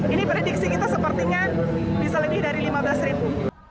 ini prediksi kita sepertinya bisa lebih dari lima belas ribu